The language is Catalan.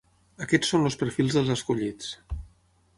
Aquests són els perfils dels escollits.